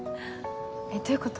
どういうこと？